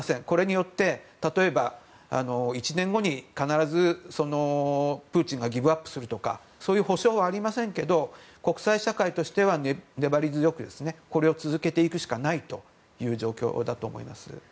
これによって例えば１年後に必ずプーチンがギブアップするとかそういう保証はありませんけど国際社会としては粘り強くこれを続けていくしかないという状況だと思います。